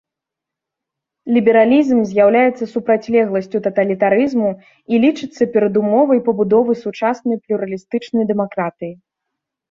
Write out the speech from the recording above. Лібералізм з'яўляецца супрацьлегласцю таталітарызму і лічыцца перадумовай пабудовы сучаснай плюралістычнай дэмакратыі.